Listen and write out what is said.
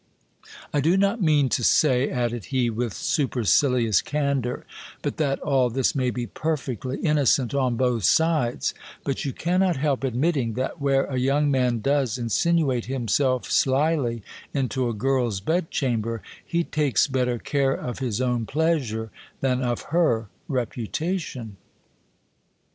I do not mean to say, added he, with supercilious candour, but that all this may be perfectly innocent on both sides, but you cannot help admitting, that where a young man does insinuate himself slily into a girl's bedchamber, he takes better care of his own pleasure than of her reputation.